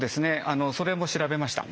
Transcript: あのそれも調べました。